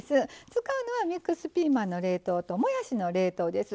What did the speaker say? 使うのはミックスピーマンの冷凍ともやしの冷凍です。